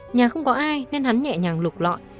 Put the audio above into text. nhà không có ai nên hắn nhẹ nhàng lục lọi